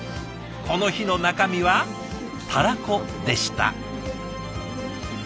この日の中身はたらこでした。